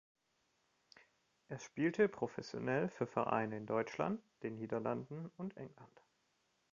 Er spielte professionell für Vereine in Deutschland, den Niederlanden und England.